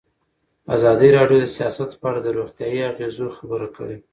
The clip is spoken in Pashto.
ازادي راډیو د سیاست په اړه د روغتیایي اغېزو خبره کړې.